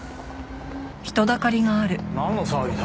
なんの騒ぎだ？